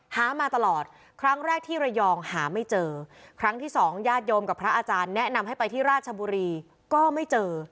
หามาตลอดครั้งแรกที่ระยองหาไม่เจอครั้งที่สองญาติโยมกับพระอาจารย์แนะนำให้ไปที่ราชบุรีก็ไม่เจอ